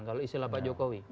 kalau istilah pak jokowi